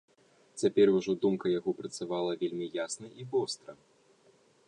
Цяпер ужо думка яго працавала вельмі ясна і востра.